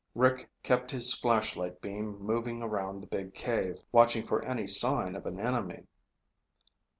Rick kept his flashlight beam moving around the big cave, watching for any sign of an enemy.